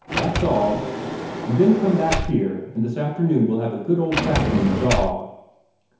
That's all. And then come back here, and this afternoon we'll have a good old fashioned jaw."